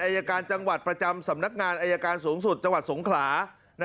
อายการจังหวัดประจำสำนักงานอายการสูงสุดจังหวัดสงขลา